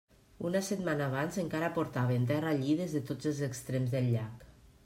Una setmana abans encara portaven terra allí des de tots els extrems del llac.